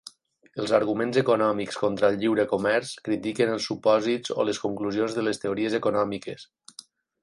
Els arguments econòmics contra el lliure comerç critiquen els supòsits o les conclusions de les teories econòmiques.